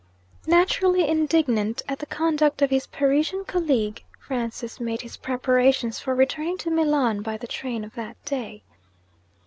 Naturally indignant at the conduct of his Parisian colleague, Francis made his preparations for returning to Milan by the train of that day.